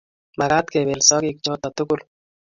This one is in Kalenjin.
Magaat kebeel sogeek choto tugul